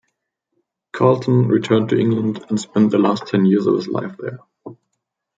Carleton returned to England and spent the last ten years of his life there.